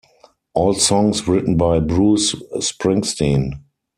All songs written by Bruce Springsteen.